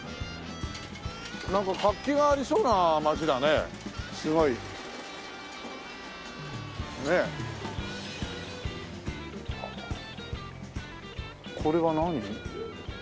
なんか活気がありそうな街だねすごい。ねえ。これは何？